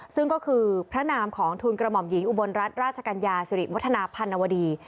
ซึ่งก็คือพระนามของทุนกระหม่อมหญิงอุบลรัฐราชกัญญาสิริวัฒนาพันวดี